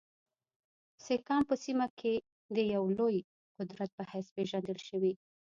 سیکهان په سیمه کې د یوه لوی قوت په حیث پېژندل شوي.